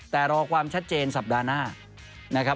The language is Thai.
แต่รอความชัดเจนสัปดาห์หน้า